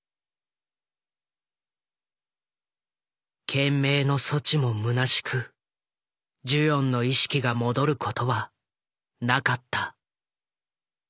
懸命の措置もむなしくジュヨンの意識が戻ることはなかった。